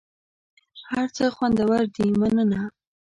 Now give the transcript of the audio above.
هر څه خوندور دي مننه .